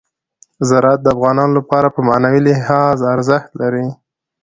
زراعت د افغانانو لپاره په معنوي لحاظ ارزښت لري.